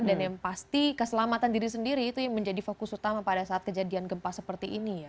dan yang pasti keselamatan diri sendiri itu yang menjadi fokus utama pada saat kejadian gempa seperti ini ya